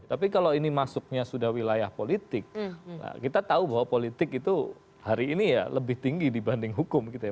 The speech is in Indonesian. karena kalau ini masuknya sudah wilayah politik kita tahu bahwa politik itu hari ini ya lebih tinggi dibanding hukum gitu ya